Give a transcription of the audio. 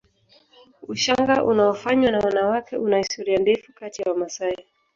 Ushanga unaofanywa na wanawake una historia ndefu kati ya Wamasai